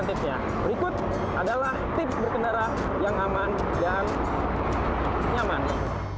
tips tips yang akan diberikan para pengemudi